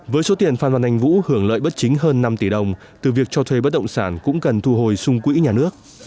với số tiền phan văn anh vũ hưởng lợi bất chính hơn năm tỷ đồng từ việc cho thuê bất động sản cũng cần thu hồi sung quỹ nhà nước